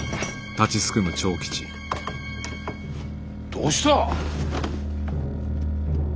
どうした？